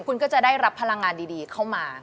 คุณก็จะได้รับพลังงานดีเข้ามา